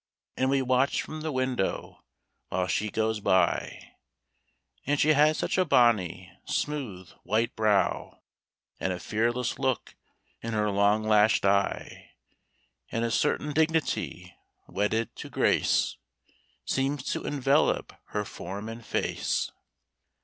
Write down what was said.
And we watch from the window while she goes by, She has such a bonny, smooth, white brow, And a fearless look in her long lashed eye; And a certain dignity wedded to grace, Seems to envelop her form and face.